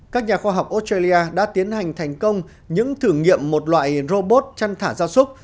các nhà khoa học australia đã tiến hành thành công những thử nghiệm một loại robot chăn thả ra súc